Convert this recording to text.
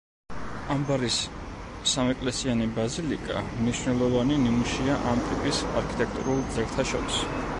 ამბარის სამეკლესიანი ბაზილიკა მნიშვნელოვანი ნიმუშია ამ ტიპის არქიტექტურულ ძეგლთა შორის.